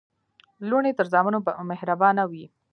لوڼي تر زامنو مهربانه وي.